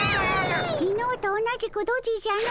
きのうと同じくドジじゃの。